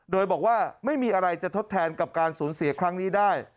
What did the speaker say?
โดยบอกว่าไม่มีอะไรจะทดแทนกับการสูญเสียครั้งนี้ได้